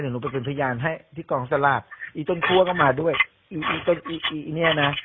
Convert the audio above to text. หนูไปเป็นพยานให้ที่กองสลากอีต้นคั่วก็มาด้วยอีต้นอีอีอีเนี้ยนะ